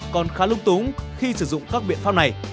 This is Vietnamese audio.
còn khá lung túng khi sử dụng các biện pháp này